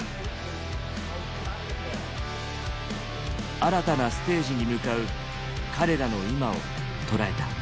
新たなステージに向かう彼らの今を捉えた。